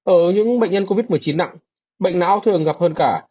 ở những bệnh nhân covid một mươi chín nặng bệnh não thường gặp hơn cả